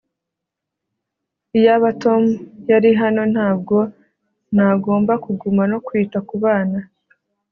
iyaba tom yari hano, ntabwo nagomba kuguma no kwita kubana